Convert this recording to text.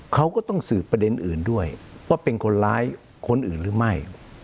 เขาก็ต้องสืบประเด็นอื่นด้วยว่าเป็นคนร้ายคนอื่นหรือไม่